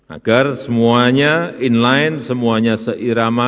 agar semuanya in line semuanya seirama